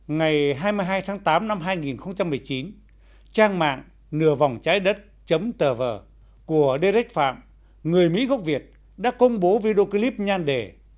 ngày hai mươi hai tháng tám năm hai nghìn một mươi chín trang mạng nửa vòng trái đất tv của derek phạm người mỹ gốc việt đã công bố video clip nhan đề